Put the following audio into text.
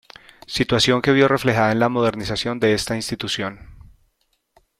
Situación que vio reflejada en la modernización de esta institución.